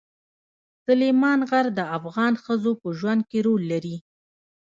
سلیمان غر د افغان ښځو په ژوند کې رول لري.